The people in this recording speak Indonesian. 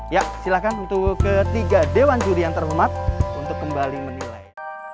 ya silahkan untuk ketiga dewan juri yang terhormat untuk kembali menilai